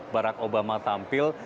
barack obama tampil